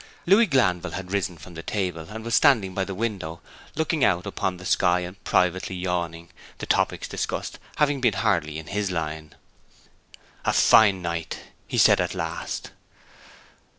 Louis Glanville had risen from the table, and was standing by the window, looking out upon the sky, and privately yawning, the topics discussed having been hardly in his line. 'A fine night,' he said at last.